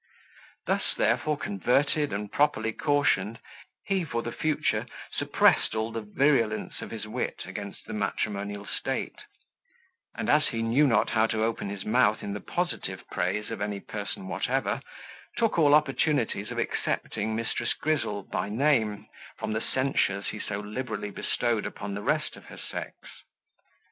Thus, therefore, converted and properly cautioned, he for the future suppressed all the virulence of his wit against the matrimonial state; and as he knew not how to open his mouth in the positive praise of any person whatever, took all opportunities of excepting Mrs. Grizzle, by name, from the censures he liberally bestowed upon the rest of her sex.